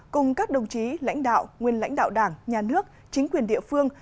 cùng các đồng chí lãnh đạo nguyên lãnh đạo đảng nhà nước chính quyền địa phương